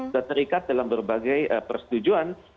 dan terikat dalam berbagai persetujuan